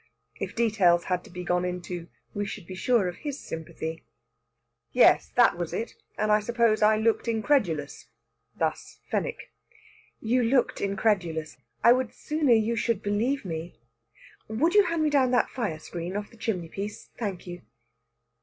If details had to be gone into, we should be sure of his sympathy. "Yes, that was it. And I suppose I looked incredulous." Thus Fenwick. "You looked incredulous. I would sooner you should believe me. Would you hand me down that fire screen off the chimney piece? Thank you."